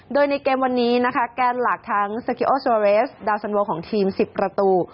โดยในเกมวันนี้นะคะแกนหลักทั้งสกิโอโซเรสดาวสันโวของทีม๑๐ประตู